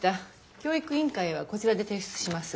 教育委員会へはこちらで提出します。